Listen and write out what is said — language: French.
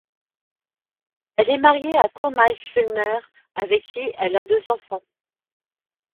Elle est mariée à Coe Miles Fulmer, avec qui elle a deux enfants.